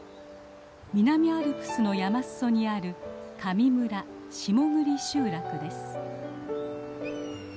南アルプスの山すそにある上村下栗集落です。